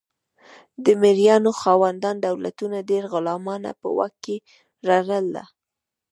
د مرئیانو خاوندان دولتونه ډیر غلامان په واک کې لرل.